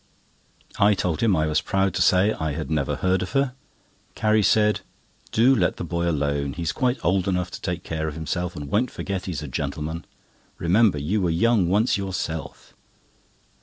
I told him I was proud to say I had never heard of her. Carrie said: "Do let the boy alone. He's quite old enough to take care of himself, and won't forget he's a gentleman. Remember, you were young once yourself."